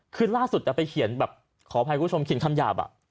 คือล่าสุดไปเขียนแบบขออภัยคุณผู้ชมเขียนคำหยาบ